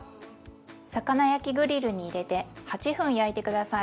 魚焼きグリルに入れて８分焼いて下さい。